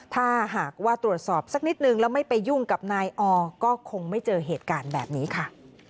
ถ้าหากว่าตรวจสอบสักนิดนึงแล้วไม่ไปยุ่งกับนายออก็คงไม่เจอเหตุการณ์แบบนี้ค่ะ